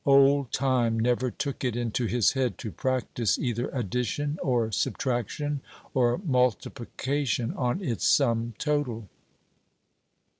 Old Time never took it into his head to practise either addition, or subtraction, or multiplication on its sum total.